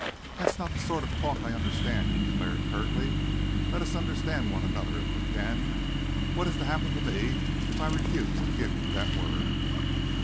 "That's not the sort of talk I understand," he declared curtly. "Let us understand one another, if we can. What is to happen to me, if I refuse to give you that word?"